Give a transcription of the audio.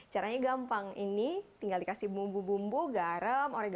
caranya gampang ini tinggal dikasih bumbu bumbu garam oregano bubuk kemudian bisa langsung digoreng